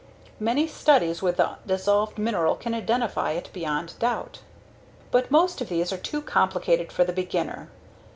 Many studies with the dissolved mineral can identify it beyond doubt. But most of these are too complicated for the beginner.